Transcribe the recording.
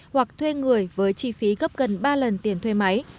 hoặc thuê người với chi phí gấp gần ba lần tiền thuê máy